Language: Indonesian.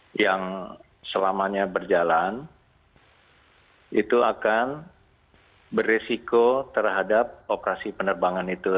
dan yang selamanya berjalan itu akan beresiko terhadap operasi penerbangan itu